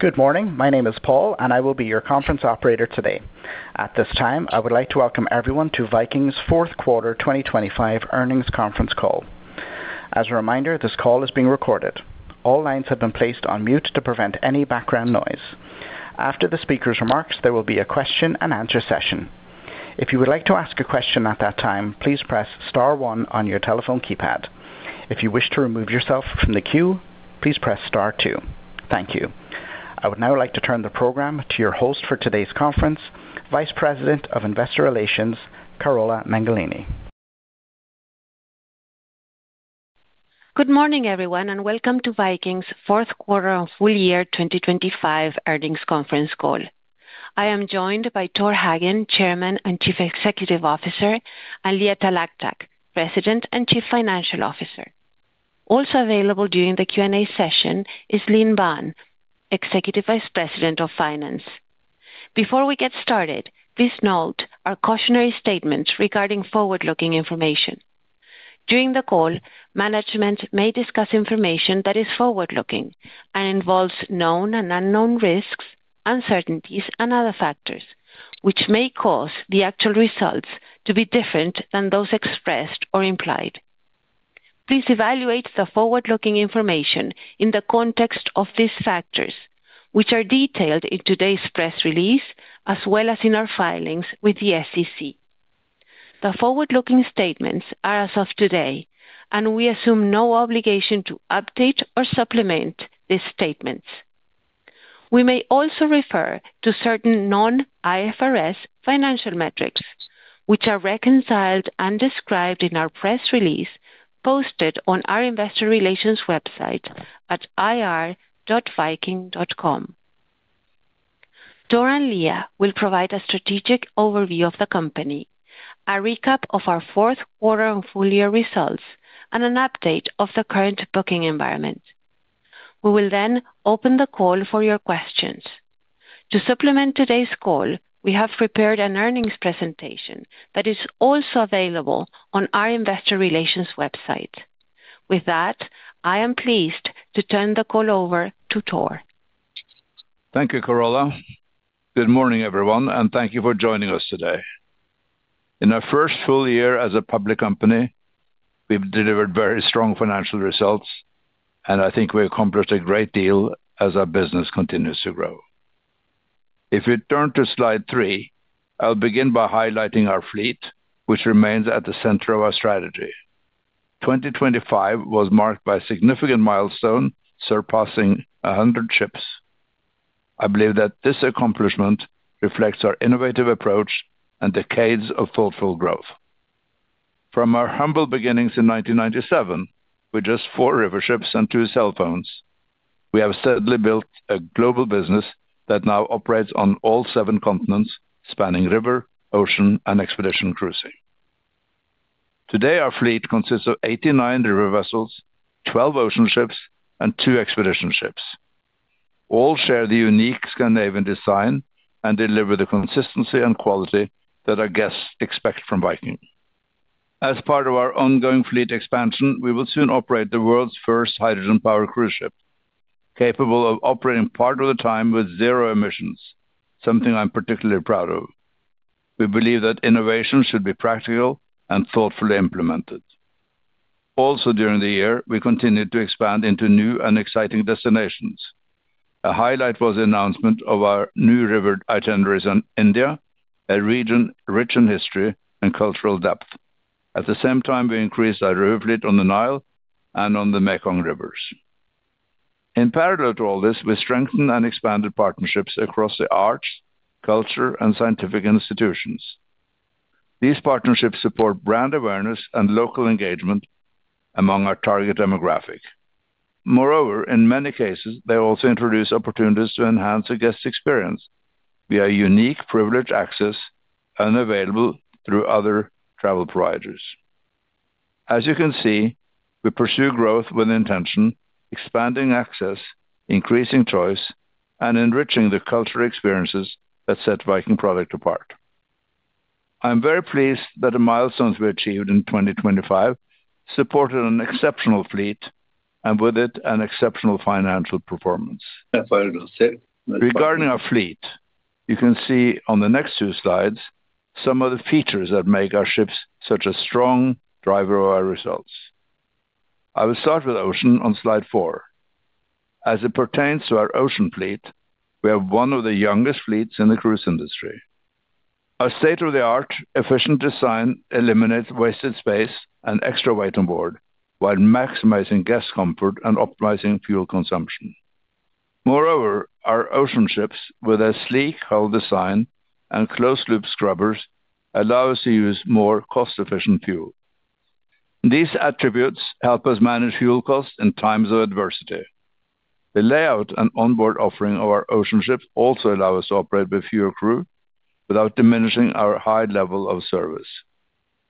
Good morning. My name is Paul, and I will be your conference operator today. At this time, I would like to welcome everyone to Viking's fourth quarter 2025 earnings conference call. As a reminder, this call is being recorded. All lines have been placed on mute to prevent any background noise. After the speaker's remarks, there will be a question-and-answer session. If you would like to ask a question at that time, please press star one on your telephone keypad. If you wish to remove yourself from the queue, please press star two. Thank you. I would now like to turn the program to your host for today's conference, Vice President of Investor Relations, Carola Mengolini. Good morning, everyone, welcome to Viking's fourth quarter of full year 2025 earnings conference call. I am joined by Tor Hagen, Chairman and Chief Executive Officer, and Leah Talactac, President and Chief Financial Officer. Also available during the Q&A session is Linh Banh, Executive Vice President of Finance. Before we get started, please note our cautionary statements regarding forward-looking information. During the call, management may discuss information that is forward-looking and involves known and unknown risks, uncertainties, and other factors which may cause the actual results to be different than those expressed or implied. Please evaluate the forward-looking information in the context of these factors, which are detailed in today's press release as well as in our filings with the SEC. The forward-looking statements are as of today, we assume no obligation to update or supplement these statements. We may also refer to certain non-IFRS financial metrics, which are reconciled and described in our press release posted on our Investor Relations website, at ir.viking.com. Tor and Leah will provide a strategic overview of the company, a recap of our fourth quarter and full-year results, and an update of the current booking environment. We will then open the call for your questions. To supplement today's call, we have prepared an earnings presentation that is also available on our investor relations website. With that, I am pleased to turn the call over to Tor. Thank you, Carola. Good morning, everyone, and thank you for joining us today. In our first full year as a public company, we've delivered very strong financial results, and I think we accomplished a great deal as our business continues to grow. If you turn to slide three, I'll begin by highlighting our fleet, which remains at the center of our strategy. 2025 was marked by significant milestone, surpassing 100 ships. I believe that this accomplishment reflects our innovative approach and decades of thoughtful growth. From our humble beginnings in 1997 with just four river ships and two cell phones, we have steadily built a global business that now operates on all seven continents, spanning River, Ocean, and Expedition cruising. Today, our fleet consists of 89 River vessels, 12 Ocean ships, and two Expedition ships. All share the unique Scandinavian design and deliver the consistency and quality that our guests expect from Viking. As part of our ongoing fleet expansion, we will soon operate the world's first hydrogen-powered cruise ship, capable of operating part of the time with zero emissions, something I'm particularly proud of. We believe that innovation should be practical and thoughtfully implemented. During the year, we continued to expand into new and exciting destinations. A highlight was the announcement of our new River itineraries on India, a region rich in history and cultural depth. At the same time, we increased our River fleet on the Nile and on the Mekong Rivers. In parallel to all this, we strengthened and expanded partnerships across the arts, culture, and scientific institutions. These partnerships support brand awareness and local engagement among our target demographic. Moreover, in many cases, they also introduce opportunities to enhance the guest experience via unique privileged access unavailable through other travel providers. As you can see, we pursue growth with intention, expanding access, increasing choice, and enriching the cultural experiences that set Viking product apart. I'm very pleased that the milestones we achieved in 2025 supported an exceptional fleet and with it an exceptional financial performance. Regarding our fleet, you can see on the next two slides some of the features that make our ships such a strong driver of our results. I will start with Ocean on slide four. As it pertains to our Ocean fleet, we have one of the youngest fleets in the cruise industry. Our state-of-the-art efficient design eliminates wasted space and extra weight on board while maximizing guest comfort and optimizing fuel consumption. Moreover, our Ocean ships with a sleek hull design and closed-loop scrubbers allow us to use more cost-efficient fuel. These attributes help us manage fuel costs in times of adversity. The layout and onboard offering of our Ocean ships also allow us to operate with fewer crew without diminishing our high level of service.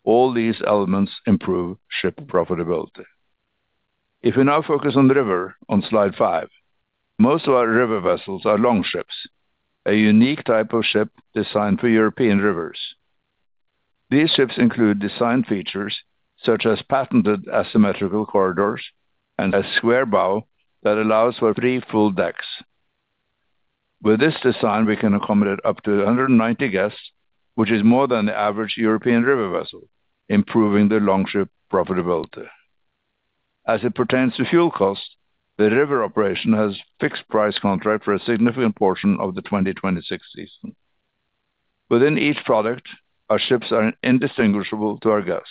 All these elements improve ship profitability. We now focus on the River on slide five. Most of our River vessels are Longships, a unique type of ship designed for European rivers. These ships include design features such as patented asymmetrical corridors and a square bow that allows for three full decks. With this design, we can accommodate up to 190 guests, which is more than the average European river vessel, improving the Longship profitability. As it pertains to fuel cost, the River operation has fixed price contract for a significant portion of the 2026 season. Within each product, our ships are indistinguishable to our guests.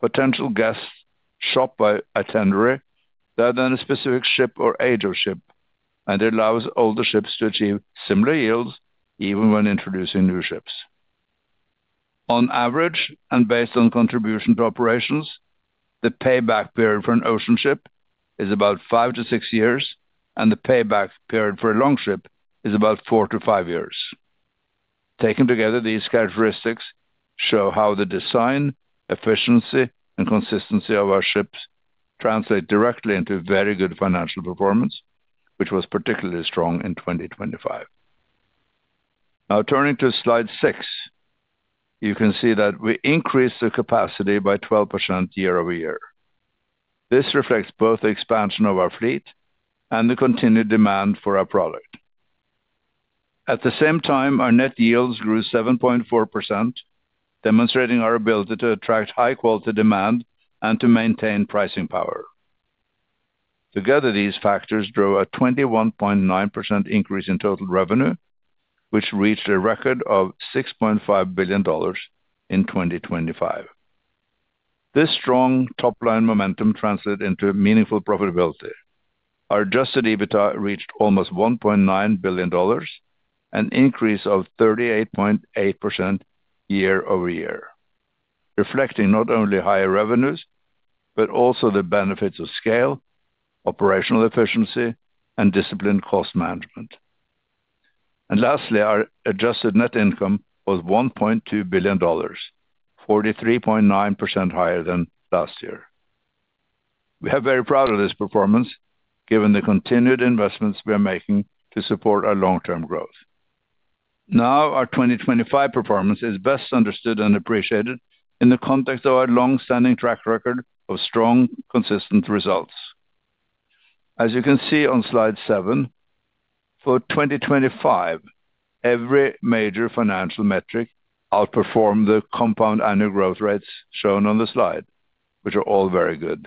Potential guests shop by itinerary rather than a specific ship or age of ship. It allows older ships to achieve similar yields even when introducing new ships. On average, and based on contribution to operations, the payback period for an Ocean ship is about five to six years, and the payback period for a Longship is about four to five years. Taken together, these characteristics show how the design, efficiency, and consistency of our ships translate directly into very good financial performance, which was particularly strong in 2025. Now turning to slide six, you can see that we increased the capacity by 12% year-over-year. This reflects both the expansion of our fleet and the continued demand for our product. At the same time, our Net Yields grew 7.4%, demonstrating our ability to attract high-quality demand and to maintain pricing power. Together, these factors drove a 21.9% increase in total revenue, which reached a record of $6.5 billion in 2025. This strong top-line momentum translated into meaningful profitability. Our Adjusted EBITDA reached almost $1.9 billion, an increase of 38.8% year-over-year, reflecting not only higher revenues but also the benefits of scale, operational efficiency, and disciplined cost management. Lastly, our Adjusted Net Income was $1.2 billion, 43.9% higher than last year. We are very proud of this performance given the continued investments we are making to support our long-term growth. Our 2025 performance is best understood and appreciated in the context of our long-standing track record of strong, consistent results. As you can see on slide seven, for 2025, every major financial metric outperformed the compound annual growth rates shown on the slide, which are all very good.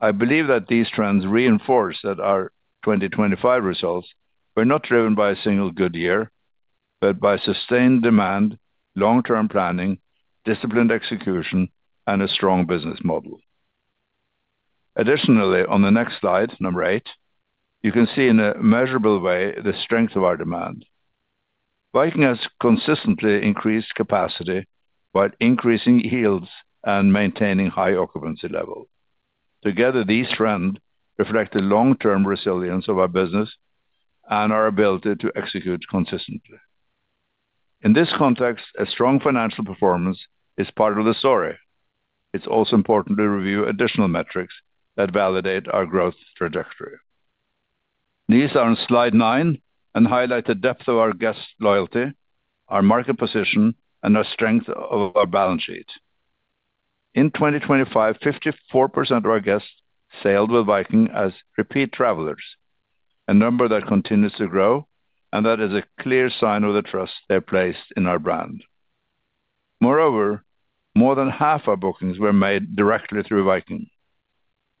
I believe that these trends reinforce that our 2025 results were not driven by a single good year, but by sustained demand, long-term planning, disciplined execution, and a strong business model. Additionally, on the next slide, number eight, you can see in a measurable way the strength of our demand. Viking has consistently increased capacity while increasing yields and maintaining high occupancy levels. Together, these trends reflect the long-term resilience of our business and our ability to execute consistently. In this context, a strong financial performance is part of the story. It's also important to review additional metrics that validate our growth trajectory. These are on slide nine and highlight the depth of our guest loyalty, our market position, and the strength of our balance sheet. In 2025, 54% of our guests sailed with Viking as repeat travelers, a number that continues to grow and that is a clear sign of the trust they placed in our brand. Moreover, more than half our bookings were made directly through Viking.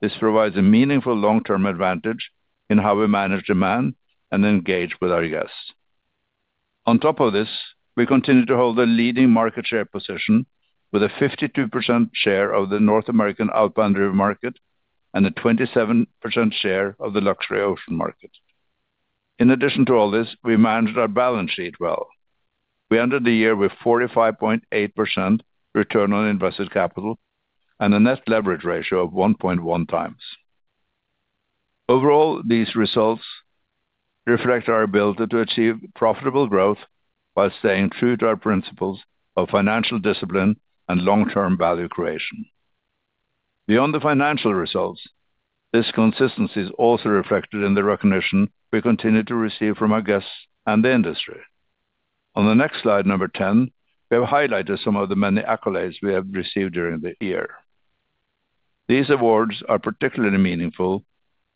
This provides a meaningful long-term advantage in how we manage demand and engage with our guests. On top of this, we continue to hold a leading market share position with a 52% share of the North American outbound river market and a 27% share of the Luxury Ocean Market. In addition to all this, we managed our balance sheet well. We ended the year with 45.8% return on invested capital and a Net Leverage ratio of 1.1x. Overall, these results reflect our ability to achieve profitable growth while staying true to our principles of financial discipline and long-term value creation. Beyond the financial results, this consistency is also reflected in the recognition we continue to receive from our guests and the industry. On the next slide, number 10, we have highlighted some of the many accolades we have received during the year. These awards are particularly meaningful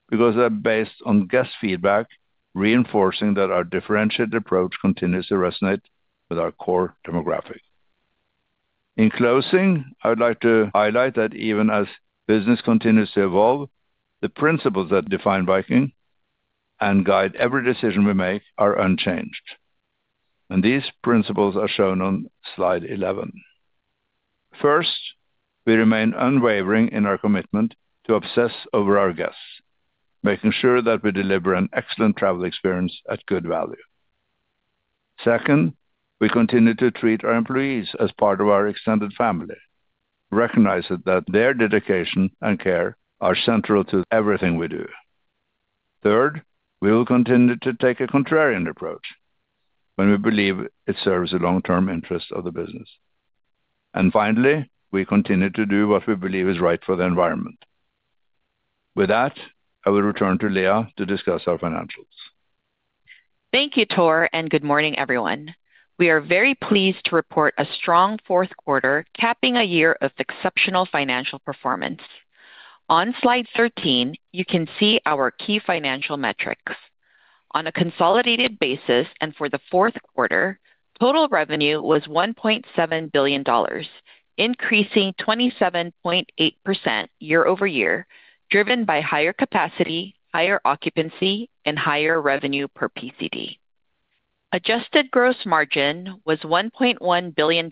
because they're based on guest feedback, reinforcing that our differentiated approach continues to resonate with our core demographic. In closing, I would like to highlight that even as business continues to evolve, the principles that define Viking and guide every decision we make are unchanged. These principles are shown on slide 11. First, we remain unwavering in our commitment to obsess over our guests, making sure that we deliver an excellent travel experience at good value. Second, we continue to treat our employees as part of our extended family, recognizing that their dedication and care are central to everything we do. Third, we will continue to take a contrarian approach when we believe it serves the long-term interest of the business. Finally, we continue to do what we believe is right for the environment. With that, I will return to Leah to discuss our financials. Thank you, Tor, and good morning, everyone. We are very pleased to report a strong fourth quarter, capping a year of exceptional financial performance. On slide 13, you can see our key financial metrics. On a consolidated basis and for the fourth quarter, total revenue was $1.7 billion, increasing 27.8% year-over-year, driven by higher capacity, higher occupancy, and higher revenue per PCD. Adjusted gross margin was $1.1 billion,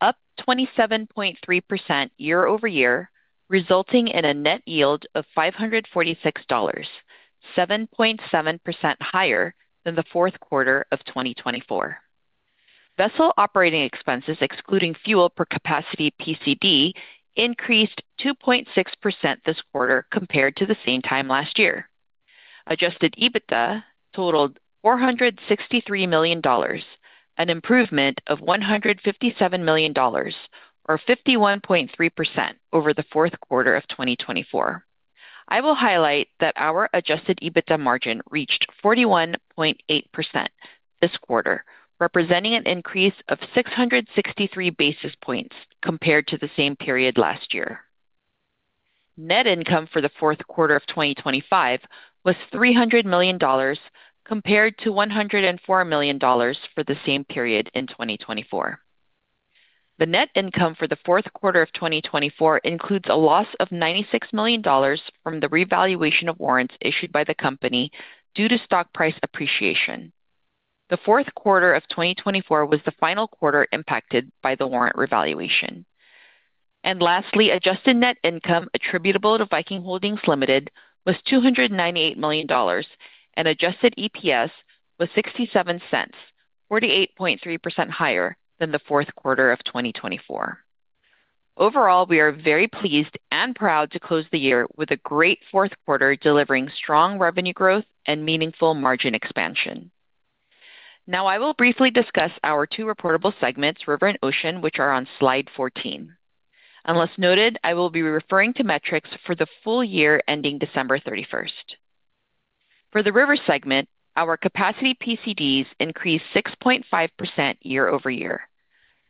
up 27.3% year-over-year, resulting in a Net Yield of $546, 7.7% higher than the fourth quarter of 2024. Vessel operating expenses excluding fuel per Capacity PCDs increased 2.6% this quarter compared to the same time last year. Adjusted EBITDA totaled $463 million, an improvement of $157 million or 51.3% over the fourth quarter of 2024. I will highlight that our Adjusted EBITDA margin reached 41.8% this quarter, representing an increase of 663 basis points compared to the same period last year. Net income for the fourth quarter of 2025 was $300 million compared to $104 million for the same period in 2024. The net income for the fourth quarter of 2024 includes a loss of $96 million from the revaluation of warrants issued by the company due to stock price appreciation. The fourth quarter of 2024 was the final quarter impacted by the warrant revaluation. Lastly, Adjusted Net Income attributable to Viking Holdings Ltd was $298 million, adjusted EPS was $0.67, 48.3% higher than the fourth quarter of 2024. Overall, we are very pleased and proud to close the year with a great fourth quarter, delivering strong revenue growth and meaningful margin expansion. Now, I will briefly discuss our two reportable segments, River and Ocean, which are on slide 14. Unless noted, I will be referring to metrics for the full year ending December 31st. For the River segment, our capacity PCDs increased 6.5% year-over-year.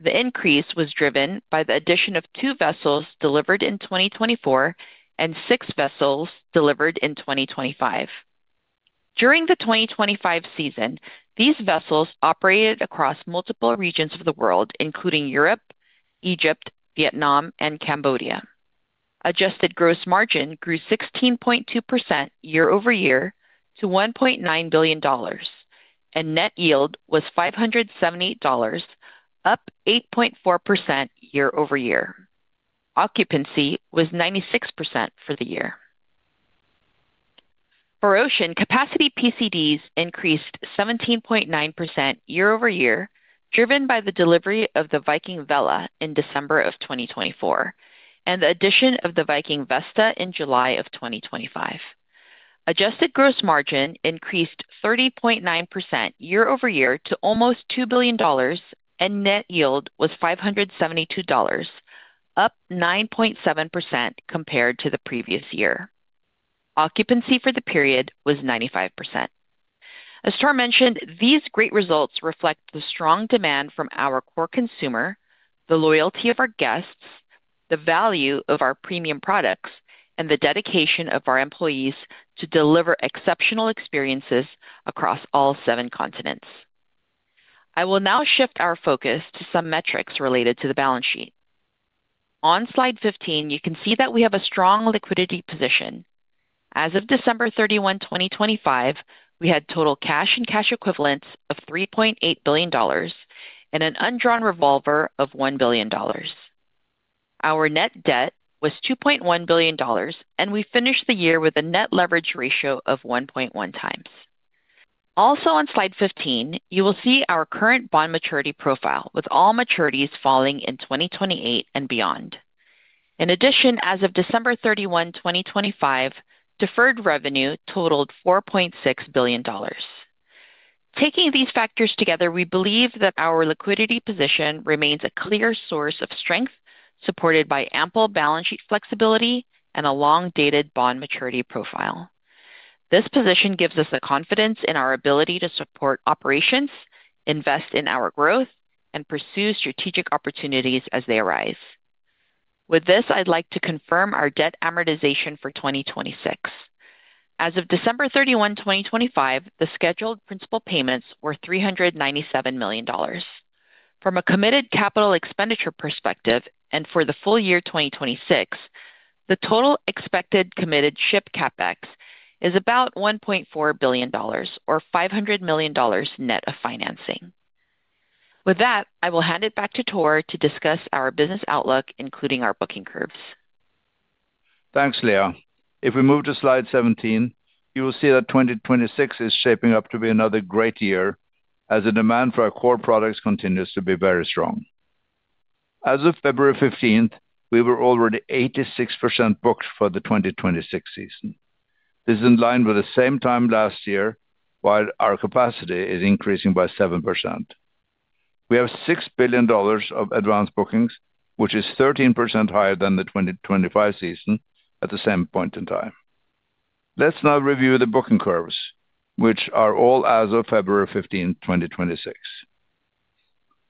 The increase was driven by the addition of two vessels delivered in 2024 and six vessels delivered in 2025. During the 2025 season, these vessels operated across multiple regions of the world, including Europe, Egypt, Vietnam, and Cambodia. Adjusted gross margin grew 16.2% year-over-year to $1.9 billion. Net Yield was $578, up 8.4% year-over-year. Occupancy was 96% for the year. For Ocean, Capacity PCDs increased 17.9% year-over-year, driven by the delivery of the Viking Vela in December 2024 and the addition of the Viking Vesta in July 2025. Adjusted gross margin increased 30.9% year-over-year to almost $2 billion. Net Yield was $572, up 9.7% compared to the previous year. Occupancy for the period was 95%. As Tor mentioned, these great results reflect the strong demand from our core consumer, the loyalty of our guests, the value of our premium products, and the dedication of our employees to deliver exceptional experiences across all seven continents. I will now shift our focus to some metrics related to the balance sheet. On slide 15, you can see that we have a strong liquidity position. As of December 31, 2025, we had total cash and cash equivalents of $3.8 billion and an undrawn revolver of $1 billion. Our net debt was $2.1 billion, and we finished the year with a Net Leverage ratio of 1.1x. Also on slide 15, you will see our current bond maturity profile, with all maturities falling in 2028 and beyond. In addition, as of December 31, 2025, deferred revenue totaled $4.6 billion. Taking these factors together, we believe that our liquidity position remains a clear source of strength, supported by ample balance sheet flexibility and a long-dated bond maturity profile. This position gives us the confidence in our ability to support operations, invest in our growth, and pursue strategic opportunities as they arise. With this, I'd like to confirm our debt amortization for 2026. As of December 31, 2025, the scheduled principal payments were $397 million. From a committed capital expenditure perspective and for the full year 2026, the total expected committed ship CapEx is about $1.4 billion or $500 million net of financing. With that, I will hand it back to Tor to discuss our business outlook, including our booking curves. Thanks, Leah. If we move to slide 17, you will see that 2026 is shaping up to be another great year as the demand for our Core Products continues to be very strong. As of February 15th, we were already 86% booked for the 2026 season. This is in line with the same time last year, while our capacity is increasing by 7%. We have $6 billion of advanced bookings, which is 13% higher than the 2025 season at the same point in time. Let's now review the booking curves, which are all as of February 15th, 2026.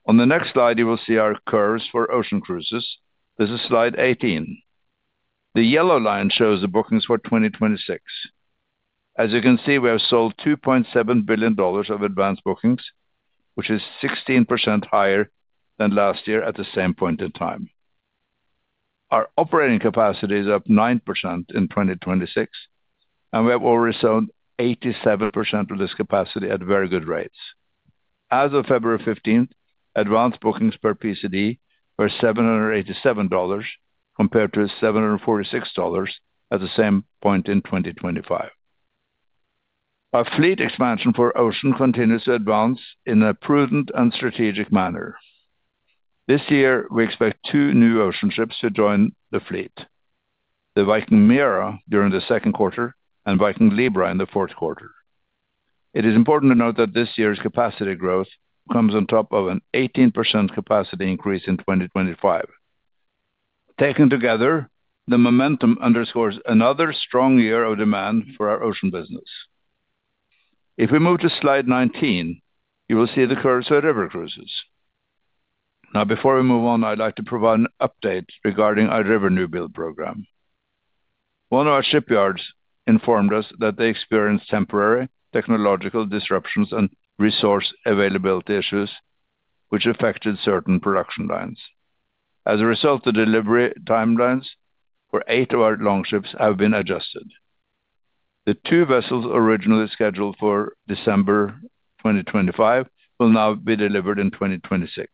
The next slide, you will see our curves for Ocean cruises. This is slide 18. The yellow line shows the bookings for 2026. As you can see, we have sold $2.7 billion of advanced bookings, which is 16% higher than last year at the same point in time. Our operating capacity is up 9% in 2026, we have already sold 87% of this capacity at very good rates. As of February 15th, advanced bookings per PCD were $787 compared to $746 at the same point in 2025. Our fleet expansion for Ocean continues to advance in a prudent and strategic manner. This year, we expect two new Ocean ships to join the fleet, the Viking Mira during the second quarter and Viking Libra in the fourth quarter. It is important to note that this year's capacity growth comes on top of an 18% capacity increase in 2025. Taken together, the momentum underscores another strong year of demand for our Ocean business. If we move to slide 19, you will see the curves for our river cruises. Before we move on, I'd like to provide an update regarding our river new build program. One of our shipyards informed us that they experienced temporary technological disruptions and resource availability issues which affected certain production lines. As a result, the delivery timelines for eight of our Longships have been adjusted. The two vessels originally scheduled for December 2025 will now be delivered in 2026.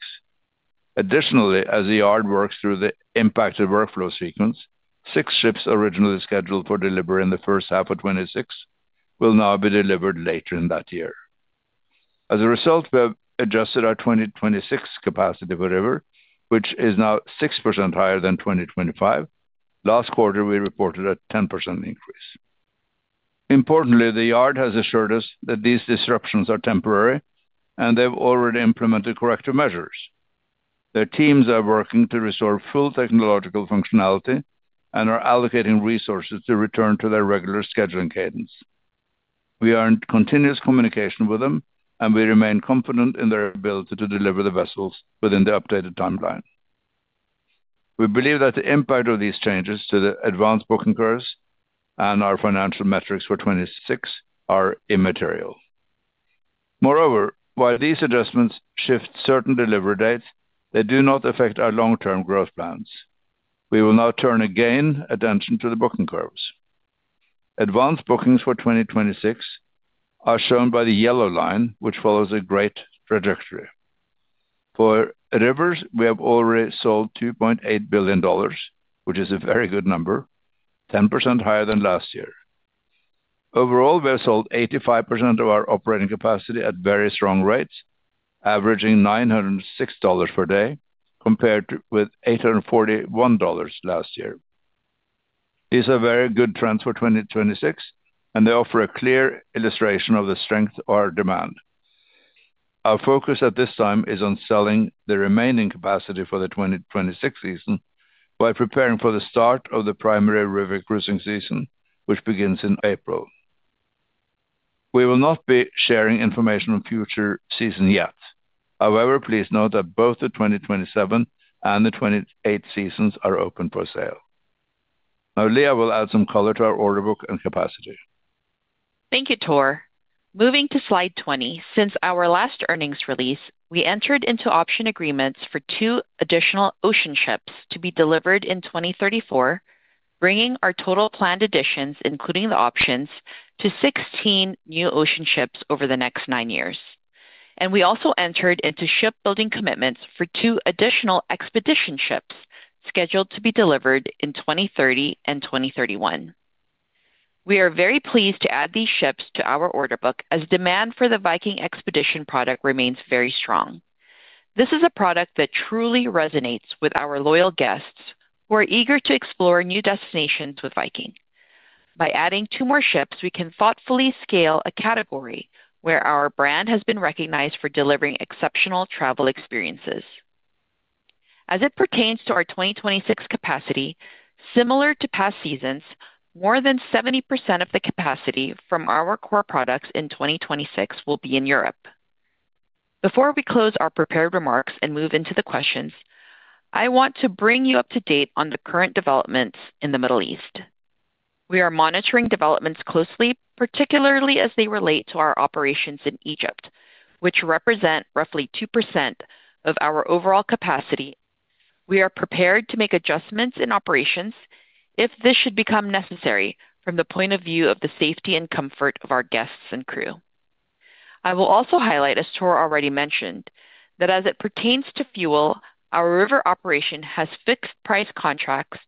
Additionally, as the yard works through the impacted workflow sequence, six ships originally scheduled for delivery in the first half of 2026 will now be delivered later in that year. As a result, we have adjusted our 2026 capacity for River, which is now 6% higher than 2025. Last quarter, we reported a 10% increase. The yard has assured us that these disruptions are temporary, and they've already implemented corrective measures. Their teams are working to restore full technological functionality and are allocating resources to return to their regular scheduling cadence. We are in continuous communication with them, and we remain confident in their ability to deliver the vessels within the updated timeline. We believe that the impact of these changes to the advanced booking curves and our financial metrics for 2026 are immaterial. While these adjustments shift certain delivery dates, they do not affect our long-term growth plans. We will now turn again attention to the booking curves. Advanced bookings for 2026 are shown by the yellow line, which follows a great trajectory. For Rivers, we have already sold $2.8 billion, which is a very good number, 10% higher than last year. Overall, we have sold 85% of our operating capacity at very strong rates, averaging $906 per day compared with $841 last year. These are very good trends for 2026. They offer a clear illustration of the strength of our demand. Our focus at this time is on selling the remaining capacity for the 2026 season while preparing for the start of the primary River cruising season, which begins in April. We will not be sharing information on future seasons yet. However, please note that both the 2027 and the 2028 seasons are open for sale. Now Leah will add some color to our order book and capacity. Thank you, Tor. Moving to slide 20, since our last earnings release, we entered into option agreements for 2 additional ocean ships to be delivered in 2034, bringing our total planned additions, including the options, to 16 new ocean ships over the next nine years. We also entered into shipbuilding commitments for two additional Expedition ships scheduled to be delivered in 2030 and 2031. We are very pleased to add these ships to our order book as demand for the Viking Expedition product remains very strong. This is a product that truly resonates with our loyal guests who are eager to explore new destinations with Viking. By adding two more ships, we can thoughtfully scale a category where our brand has been recognized for delivering exceptional travel experiences. As it pertains to our 2026 capacity, similar to past seasons, more than 70% of the capacity from our Core Products in 2026 will be in Europe. Before we close our prepared remarks and move into the questions, I want to bring you up to date on the current developments in the Middle East. We are monitoring developments closely, particularly as they relate to our operations in Egypt, which represent roughly 2% of our overall capacity. We are prepared to make adjustments in operations if this should become necessary from the point of view of the safety and comfort of our guests and crew. I will also highlight, as Tor already mentioned, that as it pertains to fuel, our River operation has fixed price contracts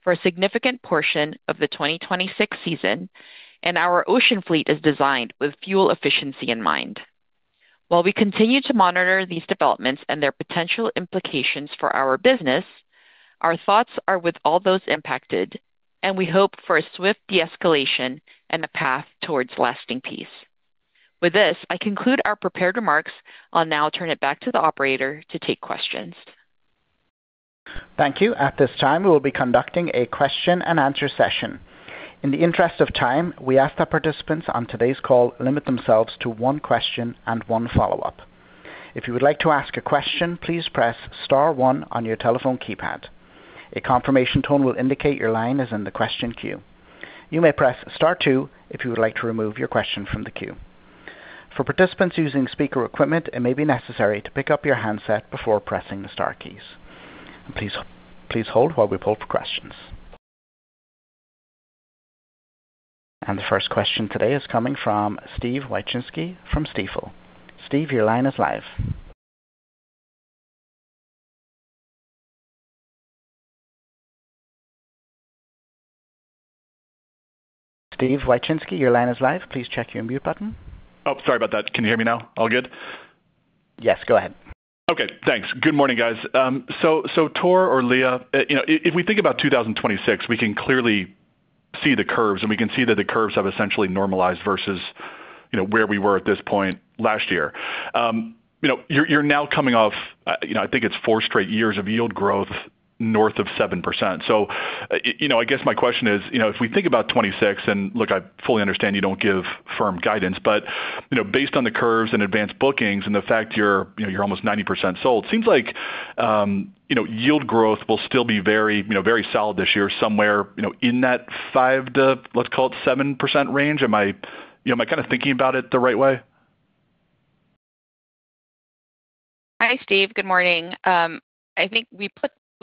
for a significant portion of the 2026 season, and our ocean fleet is designed with fuel efficiency in mind. While we continue to monitor these developments and their potential implications for our business, our thoughts are with all those impacted. We hope for a swift de-escalation and a path towards lasting peace. With this, I conclude our prepared remarks. I'll now turn it back to the operator to take questions. Thank you. At this time, we will be conducting a question and answer session. In the interest of time, we ask that participants on today's call limit themselves to one question and one follow-up. If you would like to ask a question, please press star one on your telephone keypad. A confirmation tone will indicate your line is in the question queue. You may press star two if you would like to remove your question from the queue. For participants using speaker equipment, it may be necessary to pick up your handset before pressing the star keys. Please hold while we pull for questions. The first question today is coming from Steve Wieczynski from Stifel. Steve, your line is live. Steve Wieczynski, your line is live. Please check your mute button. Oh, sorry about that. Can you hear me now? All good? Yes, go ahead. Okay. Thanks. Good morning, guys. Tor or Leah, you know, if we think about 2026, we can clearly see the curves. We can see that the curves have essentially normalized versus, you know, where we were at this point last year. You know, you're now coming off, you know, I think it's four straight years of yield growth north of 7%. You know, I guess my question is, you know, if we think about 2026. Look, I fully understand you don't give firm guidance, but you know, based on the curves and advanced bookings and the fact you're, you know, you're almost 90% sold, seems like, you know, yield growth will still be very, you know, very solid this year somewhere, you know, in that 5%-7% range. Am I, you know, am I kind of thinking about it the right way?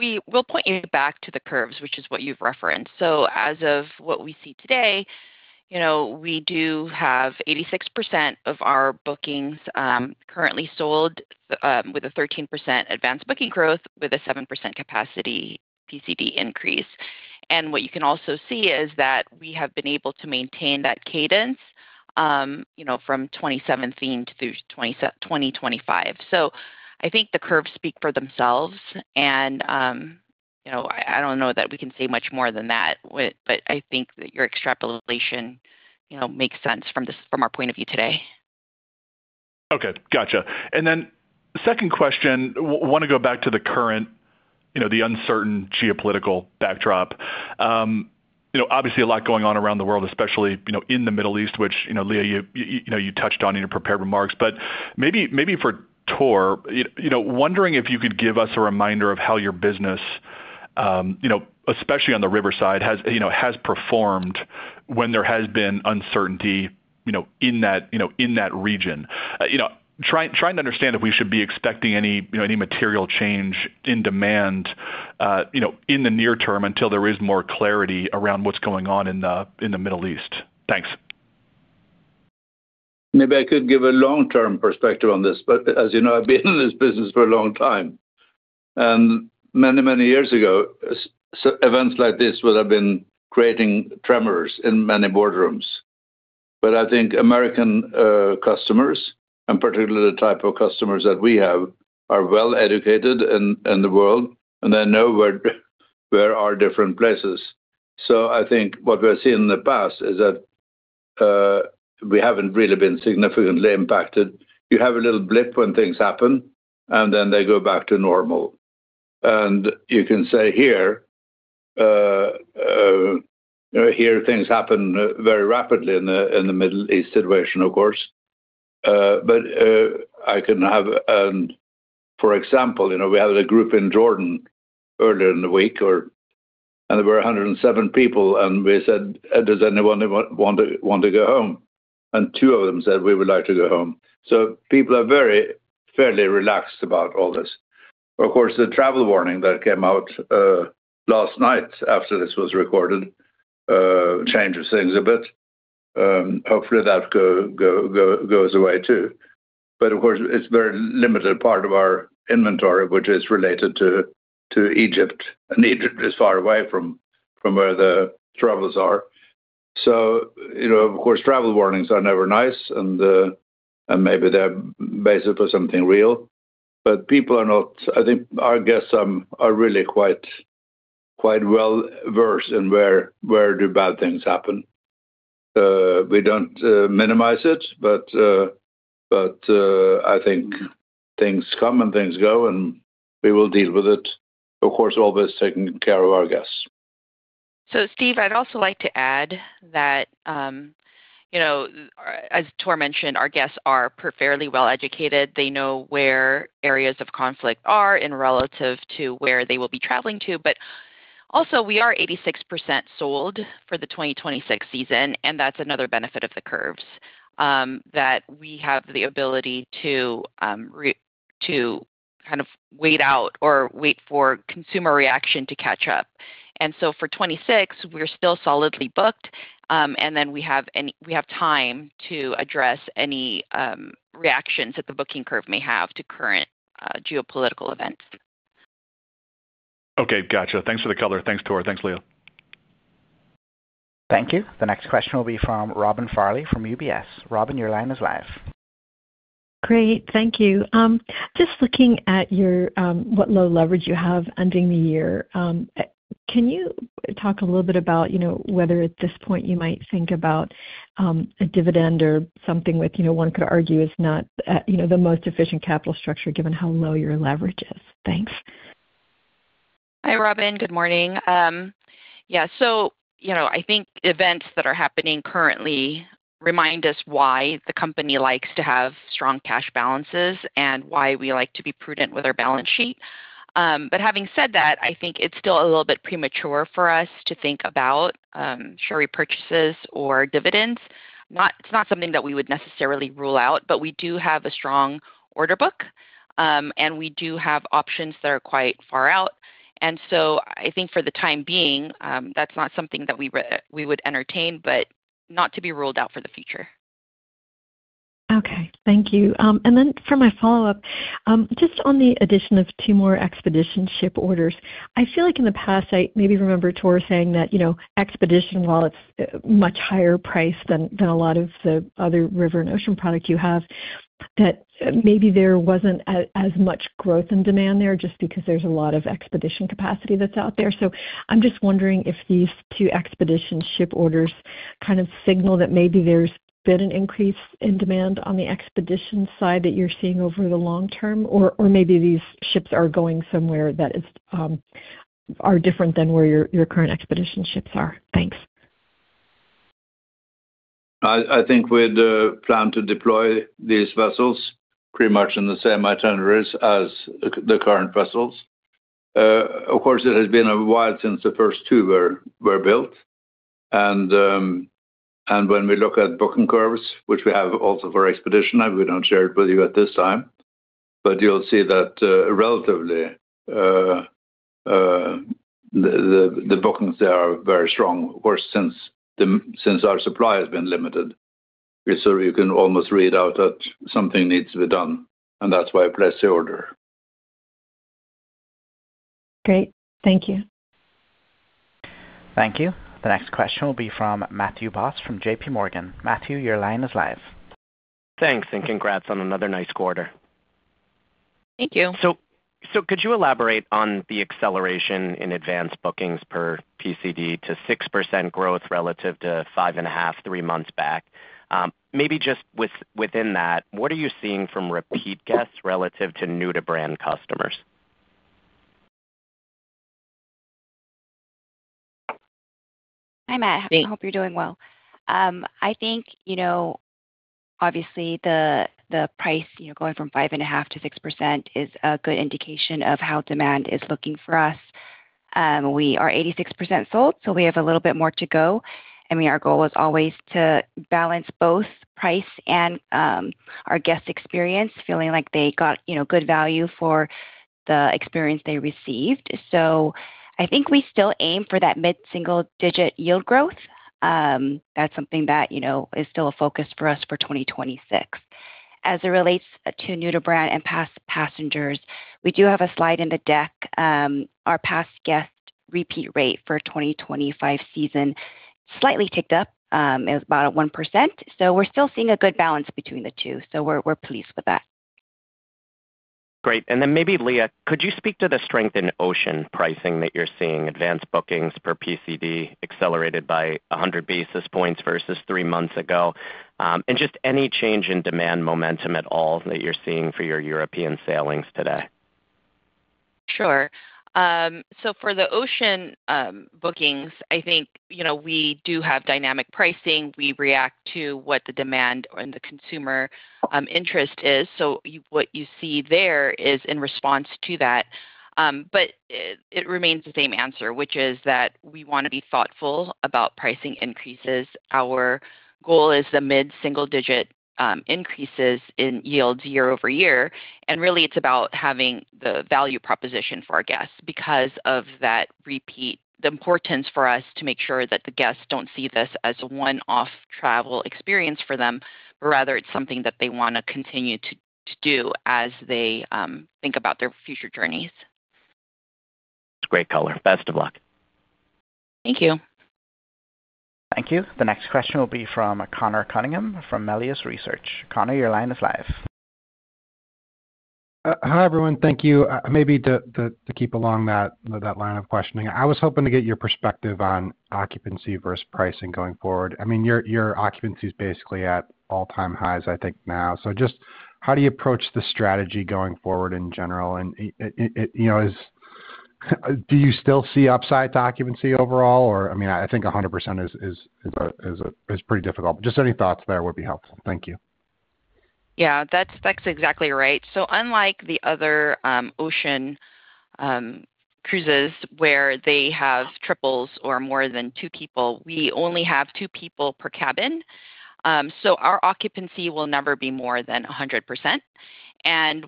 Hi, Steve. Good morning. I think we'll point you back to the curves, which is what you've referenced. As of what we see today, you know, we do have 86% of our bookings currently sold with a 13% advanced booking growth with a 7% Capacity PCD increase. What you can also see is that we have been able to maintain that cadence, you know, from 2017 through 2025. I think the curves speak for themselves, and, you know, I don't know that we can say much more than that, but I think that your extrapolation, you know, makes sense from this, from our point of view today. Okay. Gotcha. Second question. Want to go back to the current, you know, the uncertain geopolitical backdrop. You know, obviously a lot going on around the world, especially, you know, in the Middle East, which, you know, Leah, you know, you touched on in your prepared remarks. Maybe for Tor, you know, wondering if you could give us a reminder of how your business, you know, especially on the River side, has performed when there has been uncertainty, you know, in that region. You know, trying to understand if we should be expecting any, you know, any material change in demand, you know, in the near term until there is more clarity around what's going on in the Middle East. Thanks. Maybe I could give a long-term perspective on this. As you know, I've been in this business for a long time. Many, many years ago, events like this would have been creating tremors in many boardrooms. I think American customers, and particularly the type of customers that we have, are well educated in the world, and they know where are different places. I think what we're seeing in the past is that we haven't really been significantly impacted. You have a little blip when things happen, and then they go back to normal. You can say here things happen very rapidly in the Middle East situation, of course. I can have, for example, you know, we had a group in Jordan earlier in the week or... There were 107 people, and we said, "Does anyone want to go home?" Two of them said, "We would like to go home." People are very fairly relaxed about all this. Of course, the travel warning that came out last night after this was recorded, changes things a bit. Hopefully that goes away too. Of course, it's very limited part of our inventory which is related to Egypt, and Egypt is far away from where the troubles are. You know, of course, travel warnings are never nice and maybe they're based upon something real. People are I think our guests are really quite well-versed in where do bad things happen. We don't minimize it, but I think things come and things go, and we will deal with it. Of course, always taking care of our guests. Steve, I'd also like to add that, you know, as Tor mentioned, our guests are fairly well-educated. They know where areas of conflict are in relative to where they will be traveling to. We are 86% sold for the 2026 season, and that's another benefit of the curves, that we have the ability to kind of wait out or wait for consumer reaction to catch up. For 2026, we're still solidly booked, and then we have time to address any reactions that the booking curve may have to current geopolitical events. Okay. Gotcha. Thanks for the color. Thanks, Tor. Thanks, Leah. Thank you. The next question will be from Robin Farley from UBS. Robin, your line is live. Great. Thank you. Just looking at your what low leverage you have ending the year, can you talk a little bit about whether at this point you might think about a dividend or something with one could argue is not at the most efficient capital structure given how low your leverage is? Thanks. Hi, Robin. Good morning. Yeah. You know, I think events that are happening currently remind us why the company likes to have strong cash balances and why we like to be prudent with our balance sheet. Having said that, I think it's still a little bit premature for us to think about share repurchases or dividends. It's not something that we would necessarily rule out, but we do have a strong order book, and we do have options that are quite far out. I think for the time being, that's not something that we would entertain, but not to be ruled out for the future. Okay. Thank you. For my follow-up, just on the addition of two more Expedition ship orders. I feel like in the past, I maybe remember Tor saying that, you know, Expedition, while it's much higher priced than a lot of the other River and Ocean product you have, that maybe there wasn't as much growth and demand there just because there's a lot of Expedition capacity that's out there. I'm just wondering if these two Expedition ship orders kind of signal that maybe there's been an increase in demand on the Expedition side that you're seeing over the long term, or maybe these ships are going somewhere that is different than where your current Expedition ships are. Thanks. I think we'd plan to deploy these vessels pretty much in the same itineraries as the current vessels. Of course, it has been a while since the first two were built. When we look at booking curves, which we have also for Expedition, and we don't share it with you at this time, but you'll see that relatively the bookings there are very strong, or since our supply has been limited. You can almost read out that something needs to be done, and that's why I placed the order. Great. Thank you. Thank you. The next question will be from Matthew Boss from JPMorgan. Matthew, your line is live. Thanks. Congrats on another nice quarter. Thank you. Could you elaborate on the acceleration in advanced bookings per PCD to 6% growth relative to 5.5%, three months back? Maybe just within that, what are you seeing from repeat guests relative to new-to-brand customers? Hi, Matt. Hey. I hope you're doing well. I think, you know, obviously the price, you know, going from 5.5% to 6% is a good indication of how demand is looking for us. We are 86% sold, we have a little bit more to go. I mean, our goal is always to balance both price and our guest experience, feeling like they got, you know, good value for the experience they received. I think we still aim for that mid-single-digit yield growth. That's something that, you know, is still a focus for us for 2026. As it relates to new-to-brand and past passengers, we do have a slide in the deck. Our past guest repeat rate for 2025 season slightly ticked up, it was about 1%. We're still seeing a good balance between the two, so we're pleased with that. Great. Then maybe, Leah, could you speak to the strength in Ocean pricing that you're seeing, advanced bookings per PCD accelerated by 100 basis points versus three months ago? Just any change in demand momentum at all that you're seeing for your European sailings today. Sure. For the cean bookings, I think, you know, we do have dynamic pricing. We react to what the demand and the consumer interest is. What you see there is in response to that. It remains the same answer, which is that we wanna be thoughtful about pricing increases. Our goal is the mid-single-digit increases in yields year-over-year. Really, it's about having the value proposition for our guests because of that repeat, the importance for us to make sure that the guests don't see this as a one-off travel experience for them. Rather it's something that they wanna continue to do as they think about their future journeys. Great color. Best of luck. Thank you. Thank you. The next question will be from Conor Cunningham from Melius Research. Conor, your line is live. Hi, everyone. Thank you. Maybe to keep along that line of questioning, I was hoping to get your perspective on occupancy versus pricing going forward. I mean, your occupancy is basically at all-time highs, I think, now. So just how do you approach the strategy going forward in general? And you know, is... Do you still see upside to occupancy overall? Or, I mean, I think 100% is pretty difficult. Just any thoughts there would be helpful. Thank you. Yeah, that's exactly right. Unlike the other Ocean cruises where they have triples or more than two people, we only have two people per cabin. Our occupancy will never be more than 100%.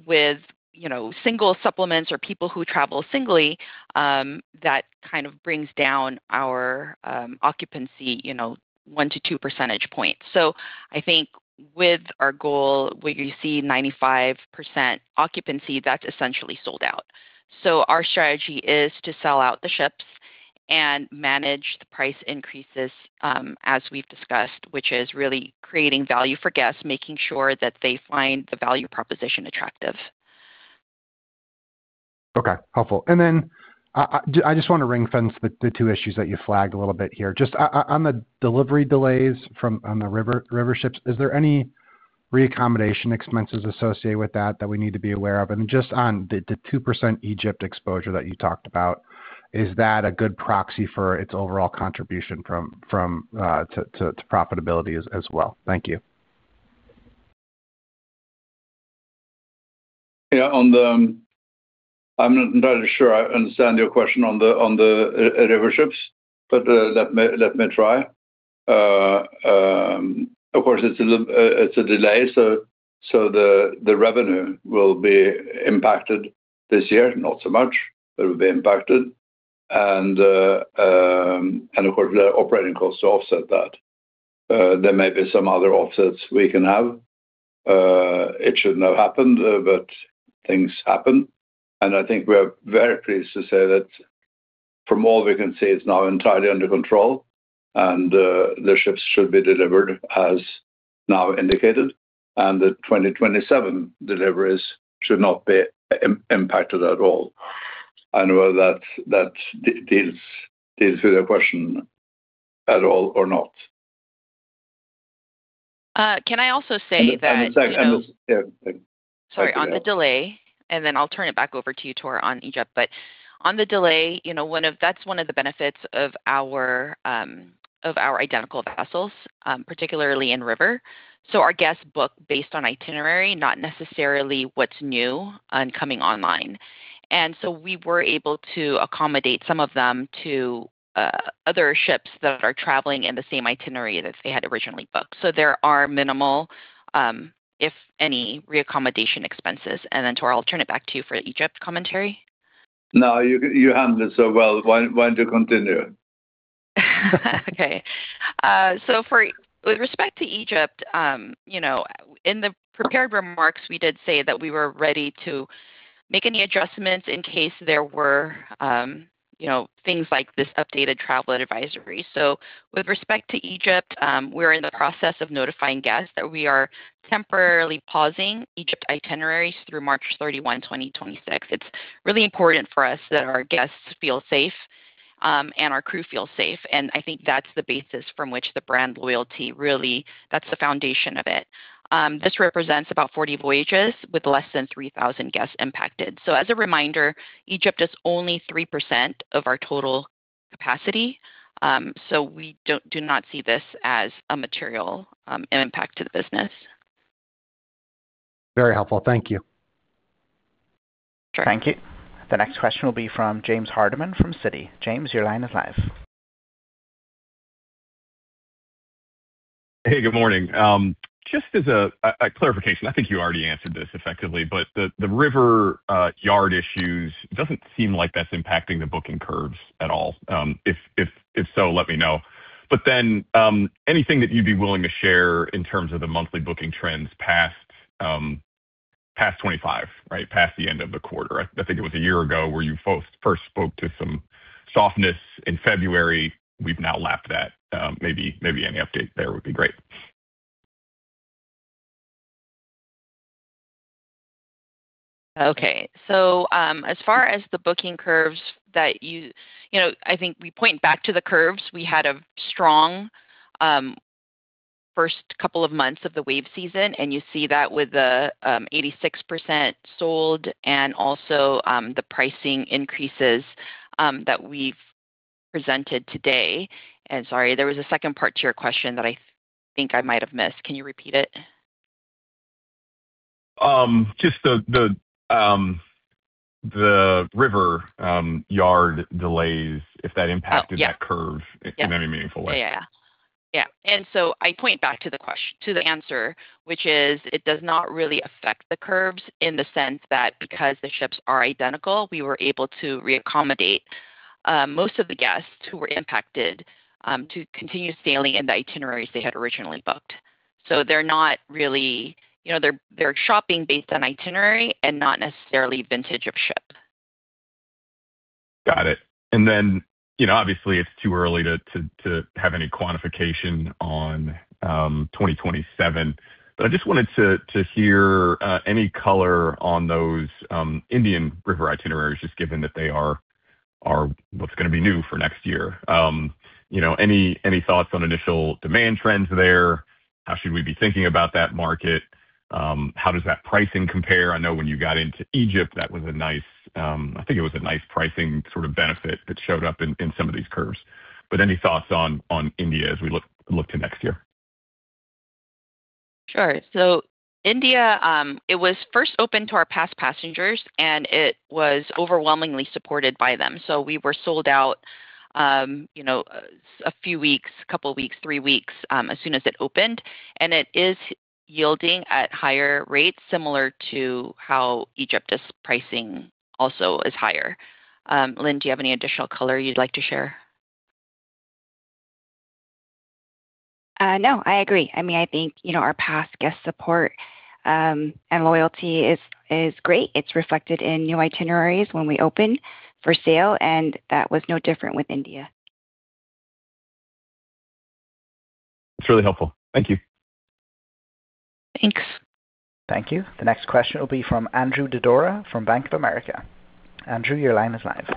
With, you know, single supplements or people who travel singly, that kind of brings down our occupancy, you know, 1 to 2 percentage points. I think with our goal, when you see 95% occupancy, that's essentially sold out. Our strategy is to sell out the ships. And manage the price increases, as we've discussed, which is really creating value for guests, making sure that they find the value proposition attractive. Okay. Helpful. I just want to ring-fence the two issues that you flagged a little bit here. Just on the delivery delays from, on the River ships, is there any reaccommodation expenses associated with that we need to be aware of? Just on the 2% Egypt exposure that you talked about, is that a good proxy for its overall contribution from profitability as well? Thank you. Yeah. I'm not entirely sure I understand your question on the River ships, but let me try. Of course, it's a little, it's a delay, so the revenue will be impacted this year. Not so much, but it'll be impacted. Of course, the operating costs offset that. There may be some other offsets we can have. It shouldn't have happened, but things happen. I think we're very pleased to say that from all we can see, it's now entirely under control and the ships should be delivered as now indicated, and the 2027 deliveries should not be impacted at all. I don't know if that deals with your question at all or not. Can I also say that, you know... The second. Yeah. Sorry. On the delay, I'll turn it back over to you, Tor, on Egypt. On the delay, you know, that's one of the benefits of our identical vessels, particularly in River. Our guests book based on itinerary, not necessarily what's new and coming online. We were able to accommodate some of them to other ships that are traveling in the same itinerary that they had originally booked. There are minimal, if any, reaccommodation expenses. Tor, I'll turn it back to you for Egypt commentary. No, you handled it so well. Why don't you continue? Okay. With respect to Egypt, you know, in the prepared remarks, we did say that we were ready to make any adjustments in case there were, you know, things like this updated travel advisory. With respect to Egypt, we're in the process of notifying guests that we are temporarily pausing Egypt itineraries through March 31, 2026. It's really important for us that our guests feel safe, and our crew feels safe. I think that's the basis from which the brand loyalty really, that's the foundation of it. This represents about 40 voyages with less than 3,000 guests impacted. As a reminder, Egypt is only 3% of our total capacity, we do not see this as a material impact to the business. Very helpful. Thank you. Sure. Thank you. The next question will be from James Hardiman from Citi. James, your line is live. Hey, good morning. Just as a clarification, I think you already answered this effectively, but the River, yard issues, it doesn't seem like that's impacting the booking curves at all. If so, let me know. Anything that you'd be willing to share in terms of the monthly booking trends past 2025, right? Past the end of the quarter. I think it was a year ago where you first spoke to some softness in February. We've now lapped that. Maybe any update there would be great. Okay. You know, I think we point back to the curves. We had a strong first couple of months of the wave season, and you see that with the 86% sold and also the pricing increases that we've presented today. Sorry, there was a second part to your question that I think I might have missed. Can you repeat it? Just the River yard delays, if that... Oh, yeah. ...impacted that curve in any meaningful way. Yeah. Yeah. Yeah. I point back to the answer, which is it does not really affect the curves in the sense that because the ships are identical, we were able to re-accommodate most of the guests who were impacted to continue sailing in the itineraries they had originally booked. They're not really... You know, they're shopping based on itinerary and not necessarily vintage of ship. Got it. You know, obviously it's too early to have any quantification on 2027, I just wanted to hear any color on those Indian River itineraries, just given that they are what's gonna be new for next year. You know, any thoughts on initial demand trends there? How should we be thinking about that market? How does that pricing compare? I know when you got into Egypt, that was a nice, I think it was a nice pricing sort of benefit that showed up in some of these curves. Any thoughts on India as we look to next year? Sure. India, it was first open to our past passengers, and it was overwhelmingly supported by them. We were sold out, you know, a few weeks, a couple weeks, three weeks, as soon as it opened. It is yielding at higher rates, similar to how Egypt is pricing also is higher. Linh, do you have any additional color you'd like to share? No, I agree. I mean, I think, you know, our past guest support, and loyalty is great. It's reflected in new itineraries when we open for sale. That was no different with India. It's really helpful. Thank you. Thanks. Thank you. The next question will be from Andrew Didora from Bank of America. Andrew, your line is live.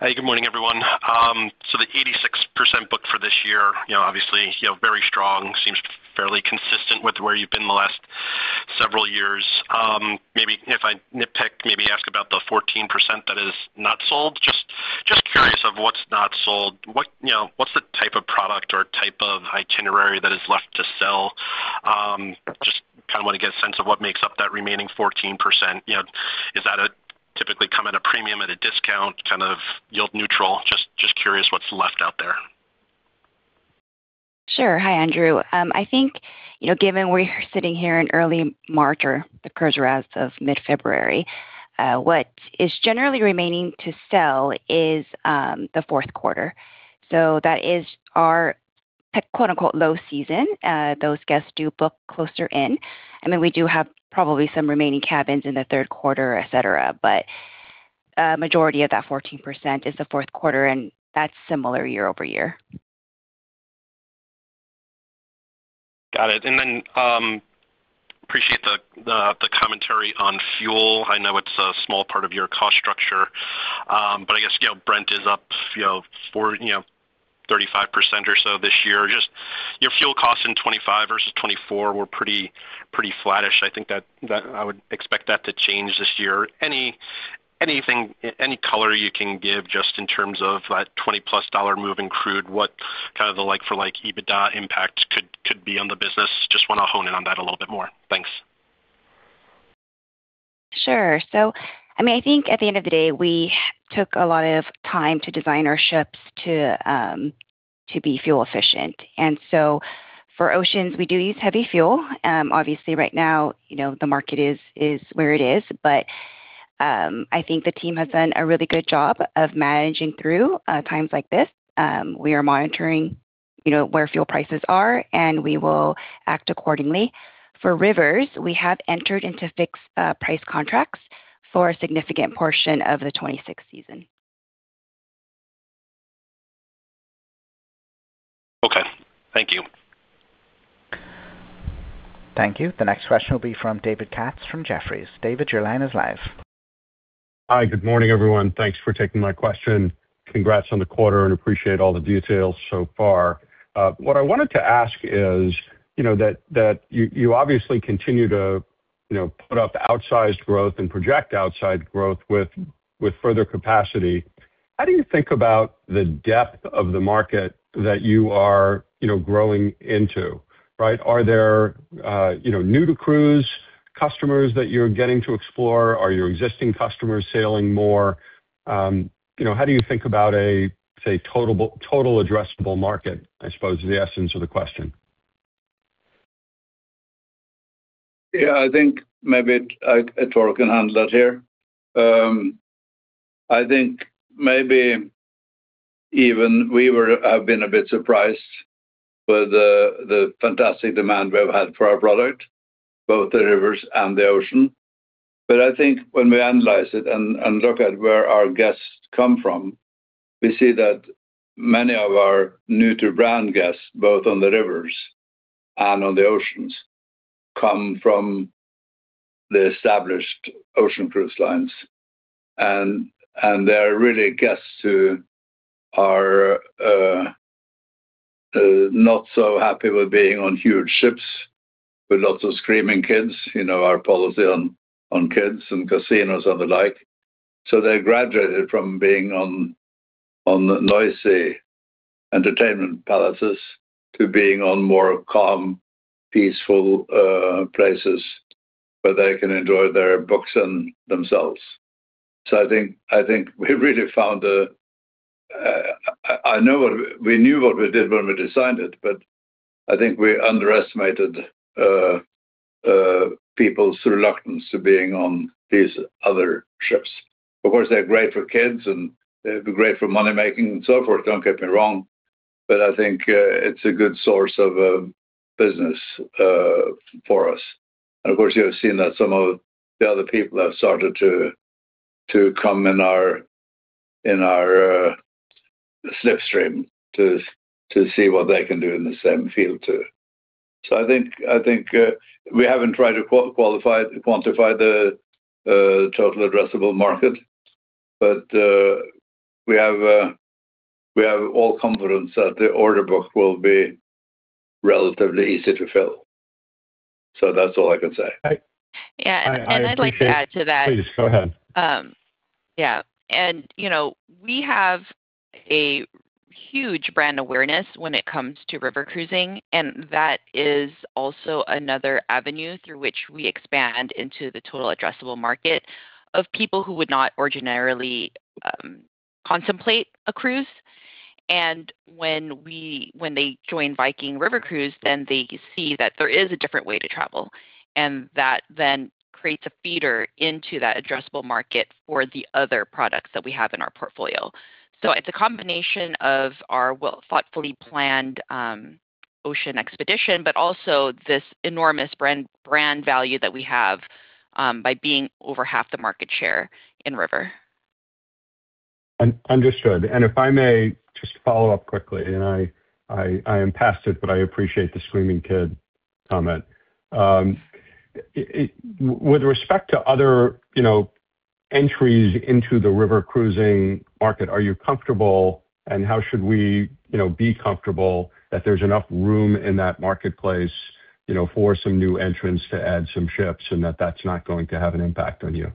Hey, good morning, everyone. The 86% booked for this year, you know, obviously, you know, very strong. Seems fairly consistent with where you've been the last several years. Maybe if I nitpick, maybe ask about the 14% that is not sold. Just curious of what's not sold. What, you know, what's the type of product or type of itinerary that is left to sell? Just kinda wanna get a sense of what makes up that remaining 14%. You know, is that typically come at a premium, at a discount, kind of yield neutral? Just curious what's left out there. Sure. Hi, Andrew. I think, you know, given we're sitting here in early March or the cruiser as of mid-February, what is generally remaining to sell is, the fourth quarter. That is our quote-unquote low season. Those guests do book closer in, and then we do have probably some remaining cabins in the third quarter, et cetera. A majority of that 14% is the fourth quarter, and that's similar year-over-year. Got it. I appreciate the commentary on fuel. I know it's a small part of your cost structure, I guess, you know, Brent is up, you know, 35% or so this year. Just your fuel costs in 2025 versus 2024 were pretty flattish. I think that I would expect that to change this year. Anything, any color you can give just in terms of that $20+ dollar move in crude, what kind of the like for like EBITDA impact could be on the business? Just wanna hone in on that a little bit more. Thanks. Sure. I mean, I think at the end of the day, we took a lot of time to design our ships to be fuel efficient. For Oceans, we do use heavy fuel. Obviously right now, you know, the market is where it is. I think the team has done a really good job of managing through times like this. We are monitoring, you know, where fuel prices are, and we will act accordingly. For Rivers, we have entered into fixed price contracts for a significant portion of the 2026 season. Okay. Thank you. Thank you. The next question will be from David Katz from Jefferies. David, your line is live. Hi. Good morning, everyone. Thanks for taking my question. Congrats on the quarter and appreciate all the details so far. What I wanted to ask is, you know, that you obviously continue to, you know, put up outsized growth and project outsized growth with further capacity. How do you think about the depth of the market that you are, you know, growing into, right? Are there, you know, new to cruise customers that you're getting to explore? Are your existing customers sailing more? You know, how do you think about a, say, total addressable market, I suppose, is the essence of the question. Yeah. I think maybe I Tor, can handle that here. I think maybe even we have been a bit surprised with the fantastic demand we've had for our product, both the Rivers and the Ocean. I think when we analyze it and look at where our guests come from, we see that many of our new to brand guests, both on the Rivers and on the Oceans, come from the established Ocean cruise lines. They're really guests who are not so happy with being on huge ships with lots of screaming kids. You know, our policy on kids and casinos and the like. They graduated from being on noisy entertainment palaces to being on more calm, peaceful places where they can enjoy their books and themselves. I think we really found.... we knew what we did when we designed it, I think we underestimated people's reluctance to being on these other ships. Of course, they're great for kids, and they'd be great for money-making and so forth. Don't get me wrong. I think it's a good source of business for us. Of course, you have seen that some of the other people have started to come in our slipstream to see what they can do in the same field too. I think we haven't tried to quantify the total addressable market, we have all confidence that the order book will be relatively easy to fill. That's all I can say. I- Yeah. And I'd like to add to that. Please go ahead. Yeah, you know, we have a huge brand awareness when it comes to river cruising and that is also another avenue through which we expand into the total addressable market of people who would not ordinarily contemplate a cruise. When they join Viking River Cruise, then they see that there is a different way to travel, and that then creates a feeder into that addressable market for the other products that we have in our portfolio. It's a combination of our thoughtfully planned Ocean Expedition, but also this enormous brand value that we have, by being over half the market share in River. Understood. If I may just follow up quickly, I am past it, but I appreciate the screaming kid comment. With respect to other, you know, entries into the river cruising market, are you comfortable and how should we, you know, be comfortable that there's enough room in that marketplace, you know, for some new entrants to add some ships and that that's not going to have an impact on you?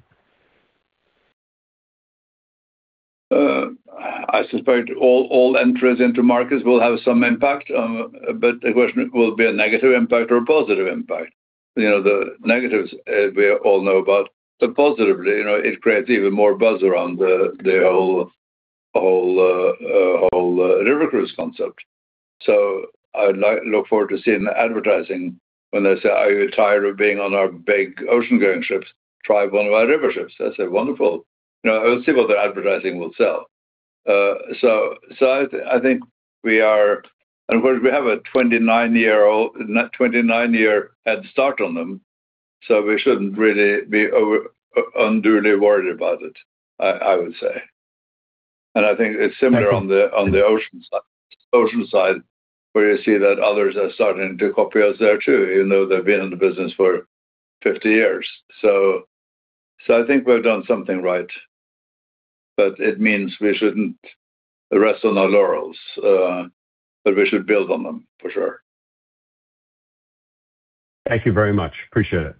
I suspect all entrants into markets will have some impact, but the question will be a negative impact or a positive impact. You know, the negatives, we all know about. The positive, you know, it creates even more buzz around the whole river cruise concept. I look forward to seeing the advertising when they say, "Are you tired of being on our big Ocean-going ships? Try one of our river ships." I say, wonderful. You know, let's see what their advertising will sell. I think we are. Of course, we have a 29-year head start on them, so we shouldn't really be unduly worried about it, I would say. I think it's similar on the Ocean side, where you see that others are starting to copy us there too, even though they've been in the business for 50 years. I think we've done something right. It means we shouldn't rest on our laurels, but we should build on them for sure. Thank you very much. Appreciate it.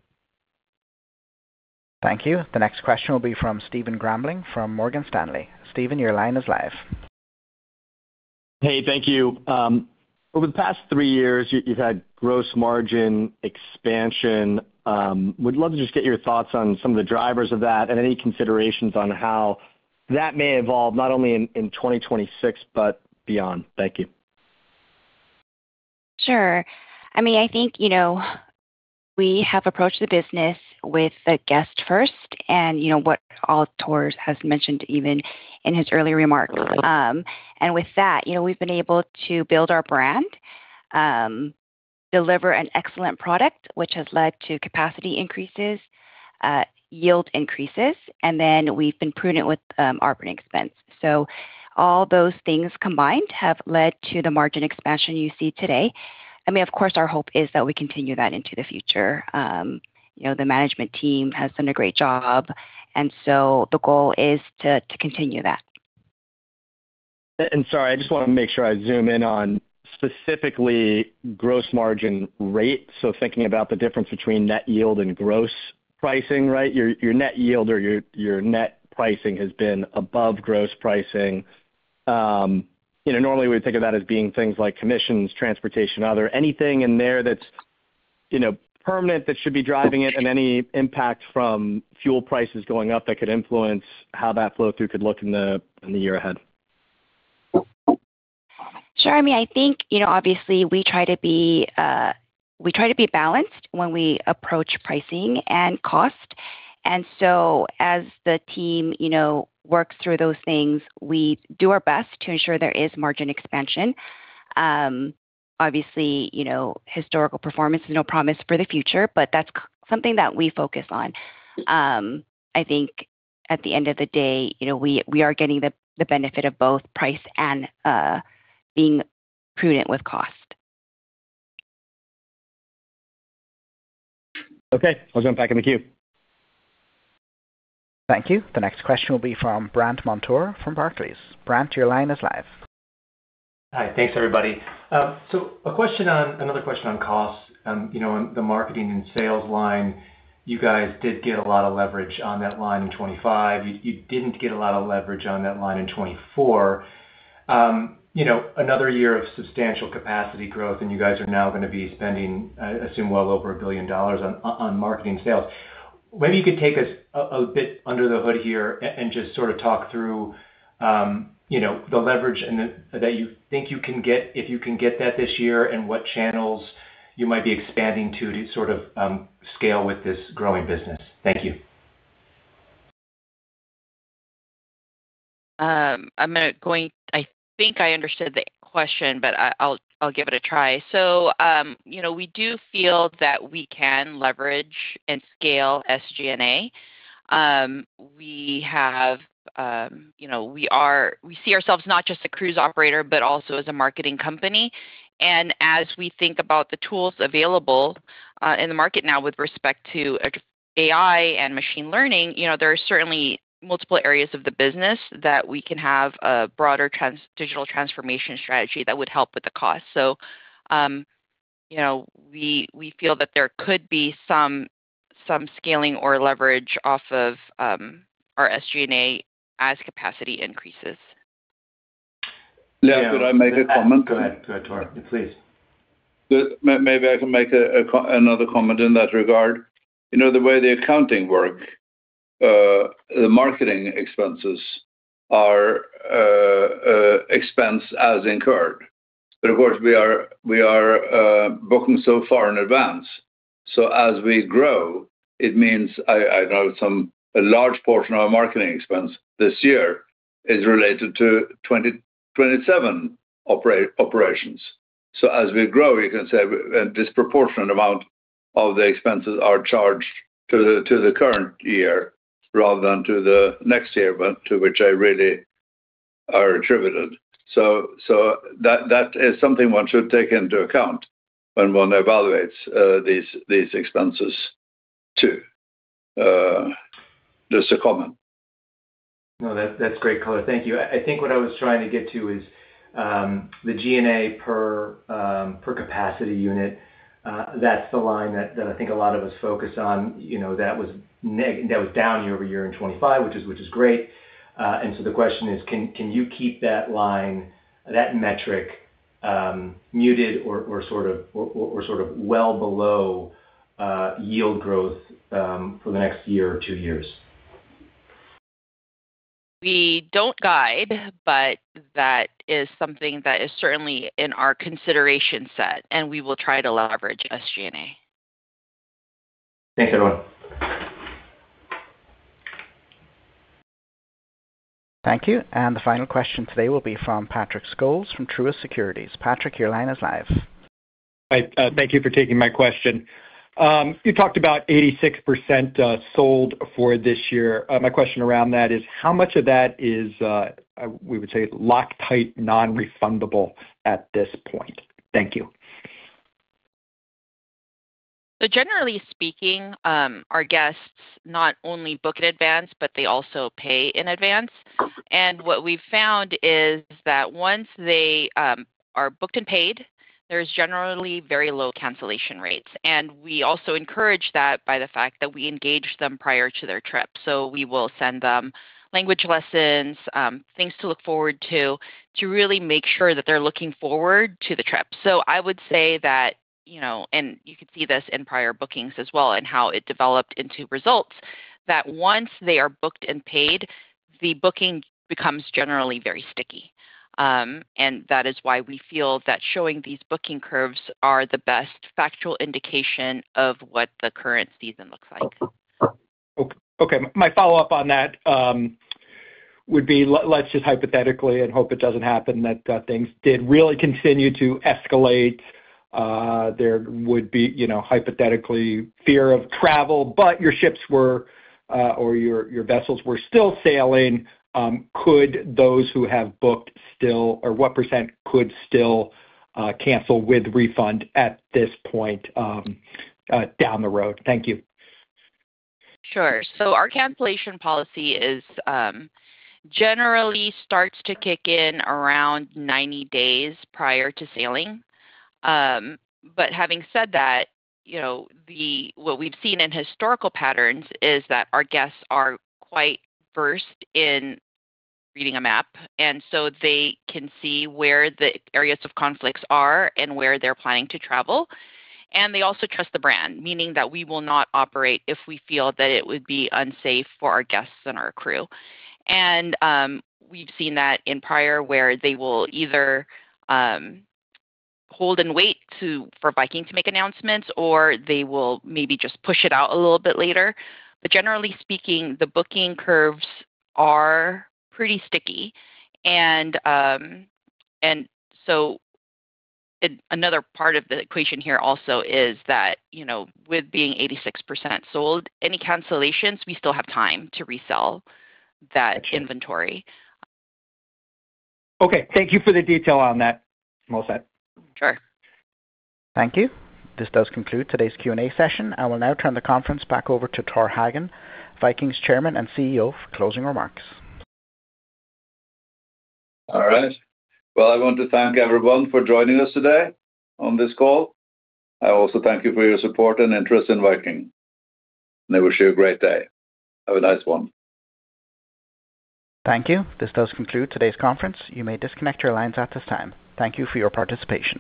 Thank you. The next question will be from Stephen Grambling from Morgan Stanley. Stephen, your line is live. Hey, thank you. Over the past three years, you've had gross margin expansion. Would love to just get your thoughts on some of the drivers of that and any considerations on how that may evolve not only in 2026 but beyond. Thank you. Sure. I mean, I think, you know, we have approached the business with the guest first and, you know, what Tor has mentioned even in his early remarks. With that, you know, we've been able to build our brand, deliver an excellent product, which has led to capacity increases, yield increases, and then we've been prudent with operating expense. All those things combined have led to the margin expansion you see today. I mean, of course, our hope is that we continue that into the future. You know, the management team has done a great job, the goal is to continue that. Sorry, I just wanna make sure I zoom in on specifically gross margin rate. Thinking about the difference between Net Yield and gross pricing, right? Your Net Yield or your net pricing has been above gross pricing. You know, normally we think of that as being things like commissions, transportation. Are there anything in there that's, you know, permanent that should be driving it and any impact from fuel prices going up that could influence how that flow-through could look in the year ahead? Sure. I mean, I think, you know, obviously we try to be, we try to be balanced when we approach pricing and cost. As the team, you know, works through those things, we do our best to ensure there is margin expansion. Obviously, you know, historical performance is no promise for the future, but that's something that we focus on. I think at the end of the day, you know, we are getting the benefit of both price and being prudent with cost. Okay. I'll jump back in the queue. Thank you. The next question will be from Brandt Montour from Barclays. Brandt, your line is live. Hi. Thanks, everybody. A question on another question on costs. You know, the marketing and sales line, you guys did get a lot of leverage on that line in 2025. You didn't get a lot of leverage on that line in 2024. You know, another year of substantial capacity growth, you guys are now gonna be spending, I assume well over $1 billion on marketing sales. Maybe you could take us a bit under the hood here and just sort of talk through, you know, the leverage and that you think you can get, if you can get that this year, and what channels you might be expanding to sort of scale with this growing business. Thank you. I think I understood the question, but I'll give it a try. You know, we do feel that we can leverage and scale SG&A. We have, you know, we see ourselves not just a cruise operator, but also as a marketing company. As we think about the tools available in the market now with respect to AI and machine learning, you know, there are certainly multiple areas of the business that we can have a broader digital transformation strategy that would help with the cost. You know, we feel that there could be some scaling or leverage off of our SG&A as capacity increases. Leah, could I make a comment? Go ahead. Go ahead, Tor, please. Maybe I can make another comment in that regard. You know, the way the accounting work, the marketing expenses are expensed as incurred. Of course we are, we are booking so far in advance. As we grow, it means I know some, a large portion of our marketing expense this year is related to 2027 operations. As we grow, you can say a disproportionate amount of the expenses are charged to the current year rather than to the next year, but to which I really are attributed. That is something one should take into account when one evaluates these expenses too. Just a comment. No, that's great color. Thank you. I think what I was trying to get to is the G&A per capacity unit, that's the line that I think a lot of us focus on. You know, that was down year-over-year in 2025, which is great. The question is can you keep that line, that metric, muted or sort of well below yield growth for the next year or two years? We don't guide, but that is something that is certainly in our consideration set, and we will try to leverage SG&A. Thanks, everyone. Thank you. The final question today will be from Patrick Scholes from Truist Securities. Patrick, your line is live. Hi, thank you for taking my question. You talked about 86% sold for this year. My question around that is how much of that is we would say lock tight, non-refundable at this point? Thank you. Generally speaking, our guests not only book in advance, but they also pay in advance. What we've found is that once they are booked and paid, there's generally very low cancellation rates. We also encourage that by the fact that we engage them prior to their trip. We will send them language lessons, things to look forward to really make sure that they're looking forward to the trip. I would say that, you know, and you could see this in prior bookings as well and how it developed into results, that once they are booked and paid, the booking becomes generally very sticky. That is why we feel that showing these booking curves are the best factual indication of what the current season looks like. Okay. My follow-up on that, would be let's just hypothetically and hope it doesn't happen, that, things did really continue to escalate. There would be, you know, hypothetically fear of travel, but your ships were, or your vessels were still sailing. Could those who have booked still or what percent could still, cancel with refund at this point, down the road? Thank you. Sure. Our cancellation policy is generally starts to kick in around 90 days prior to sailing. Having said that, you know, what we've seen in historical patterns is that our guests are quite versed in reading a map, they can see where the areas of conflicts are and where they're planning to travel. They also trust the brand, meaning that we will not operate if we feel that it would be unsafe for our guests and our crew. We've seen that in prior where they will either hold and wait to, for Viking to make announcements, or they will maybe just push it out a little bit later. Generally speaking, the booking curves are pretty sticky. Another part of the equation here also is that, you know, with being 86% sold, any cancellations, we still have time to resell that inventory. Okay. Thank you for the detail on that. I'm all set. Sure. Thank you. This does conclude today's Q&A session. I will now turn the conference back over to Tor Hagen, Viking's Chairman and CEO, for closing remarks. All right. Well, I want to thank everyone for joining us today on this call. I also thank you for your support and interest in Viking. I wish you a great day. Have a nice one. Thank you. This does conclude today's conference. You may disconnect your lines at this time. Thank you for your participation.